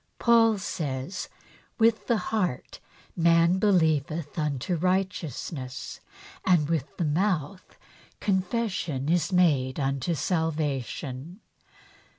Paul says :" With the heart man believeth unto righteousness, and with the mouth confession is made unto salvation."